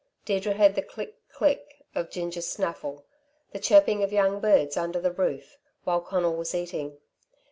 Deirdre heard the click, click of Ginger's snaffle, the chirping of young birds under the roof, while Conal was eating.